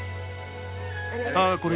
ああこれ